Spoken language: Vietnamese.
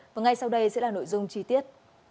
và ngay sau đây sẽ là nội dung chi tiết